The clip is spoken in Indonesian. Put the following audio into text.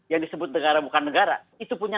yang disebut negara bukan negara itu punya